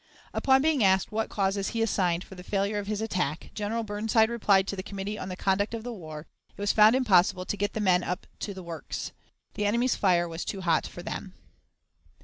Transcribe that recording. Upon being asked what causes he assigned for the failure of his attack, General Burnside replied to the Committee on the Conduct of the War: "It was found impossible to get the men up to the works. The enemy's fire was too hot for them."